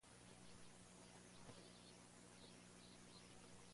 Se sabe que su padre trabajaba como sastre y barbero.